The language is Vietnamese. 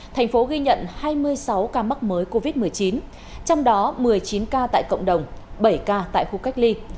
thành phố ghi nhận hai mươi sáu ca mắc mới covid một mươi chín trong đó một mươi chín ca tại cộng đồng bảy ca tại khu cách ly